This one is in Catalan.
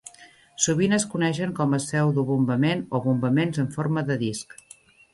Sovint es coneixen com a "pseudobombament" o "bombaments en forma de disc".